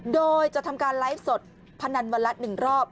โดยจะทำการไลฟ์สดพนันวันละ๑รอบ